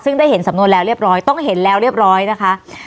ซึ่งได้เห็นสำนวนแล้วเรียบร้อยต้องเห็นแล้วเรียบร้อยนะคะ